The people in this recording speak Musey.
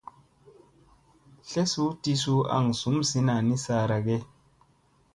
Tlesu ti suu aŋ zumsina ni saara ge ?